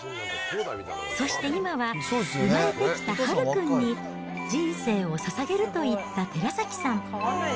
そして今は、産まれてきたはるくんに人生をささげると言った寺崎さん。